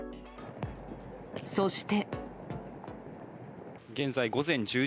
そして。